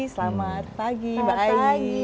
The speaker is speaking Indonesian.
selamat pagi mbak ayi